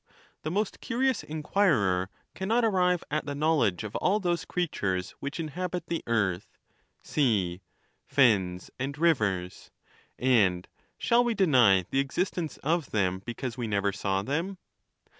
The most curious inquirer cannot arrive at the knowledge of all those creatures which inhabit the earth, sea, fens, and rivers; and shall we deny the existence of them because wo never saw them